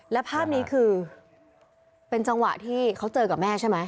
แล้วภาพนี้คือเป็นจังหวะที่เขาเจอกับแม่ใช่ไหม